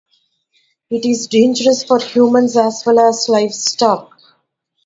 It is dangerous for humans as well as livestock.